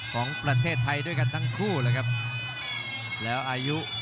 ของประเทศไทยด้วยกันทั้งคู่เลยครับ